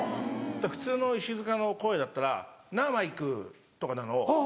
普通の石塚の声だったら「なぁマイク」とかなのを。